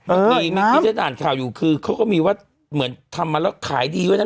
เออน้ำอ่านข่าวอยู่คือเขาก็มีว่าเหมือนทำมาแล้วขายดีกว่านั้น